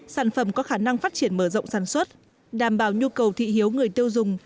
sản phẩm có khả năng phát triển mở rộng sản xuất đảm bảo nhu cầu thị hiếu người tiêu dùng